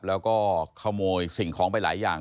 แล้วก็ขโมยสิ่งของไปหลายอย่าง